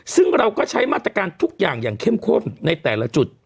ซึ่งเราก็ใช้มาตรการทุกอย่างอย่างเข้มข้นในแต่ละจุด